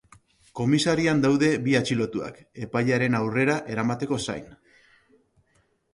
Komisarian daude bi atxilotuak, epailearen aurrera eramateko zain.